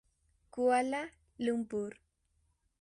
Kuala Lumpur.